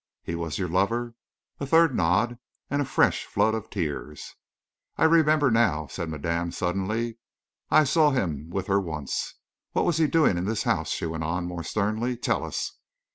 "He was your lover?" A third nod, and a fresh flood of tears. "I remember, now," said madame, suddenly. "I saw him with her once. What was he doing in this house?" she went on, more sternly. "Tell us!"